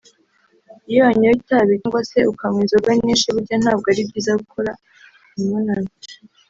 iyo wanyoye itabi cyangwa se ukanywa inzoga nyinshi burya ntabwo ari byiza gukora imibonano